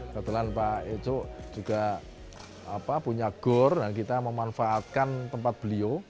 kebetulan pak eco juga punya gore dan kita memanfaatkan tempat beliau